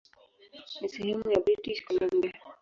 Ni sehemu ya British Columbia.